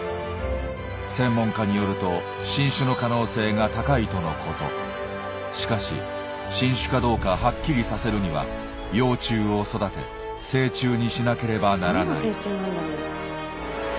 専門家によるとしかし新種かどうかはっきりさせるには幼虫を育て成虫にしなければならない。